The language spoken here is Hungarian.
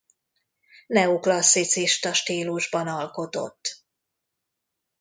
Neoklasszicista stílusban alkotott.